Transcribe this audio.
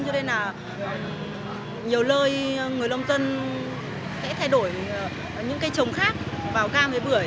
cho nên là nhiều lơi người lông tân sẽ thay đổi những cây trồng khác vào cam với bưởi